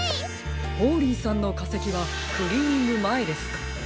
ホーリーさんのかせきはクリーニングまえですか？